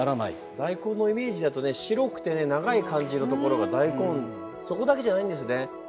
大根のイメージだとね白くて長い感じのところが大根そこだけじゃないんですね。